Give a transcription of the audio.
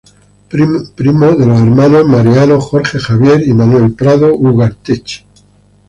Primo de los hermanos Mariano, Jorge, Javier y Manuel Prado Ugarteche.